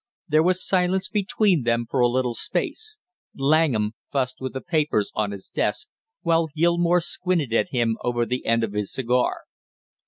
There was silence between them for a little space. Langham fussed with the papers on his desk, while Gilmore squinted at him over the end of his cigar.